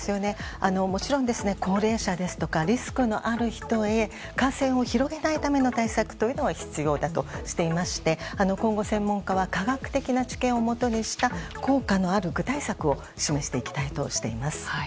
もちろん、高齢者ですとかリスクのある人へ感染を広げないための対策は必要だとしていまして今後、専門家は科学的な知見をもとにした効果のある具体策を示していきたいとしています。